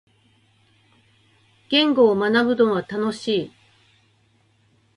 言語を学ぶのは楽しい。